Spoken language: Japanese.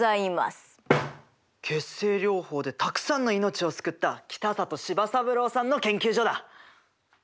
血清療法でたくさんの命を救った北里柴三郎さんの研究所だ！